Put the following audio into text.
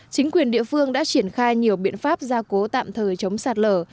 chính quyền địa phương đã triển khai nhiều biện pháp gia cố tạm thời chống sạt lở